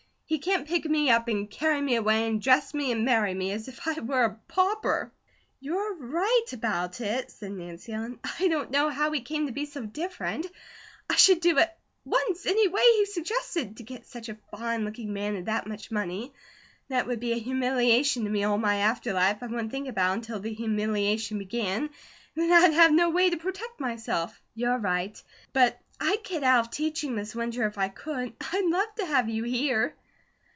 He can't pick me up, and carry me away, and dress me, and marry me, as if I were a pauper." "You're RIGHT about it," said Nancy Ellen. "I don't know how we came to be so different. I should do at once any way he suggested to get such a fine looking man and that much money. That it would be a humiliation to me all my after life, I wouldn't think about until the humiliation began, and then I'd have no way to protect myself. You're right! But I'd get out of teaching this winter if I could. I'd love to have you here."